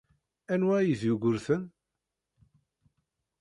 Anwa ay d Yugurten?